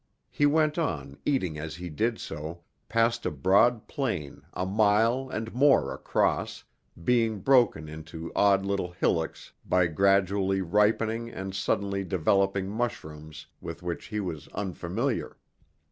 He went on, eating as he did so, past a broad plain a mile and more across, being broken into odd little hillocks by gradually ripening and suddenly developing mushrooms with which he was unfamiliar.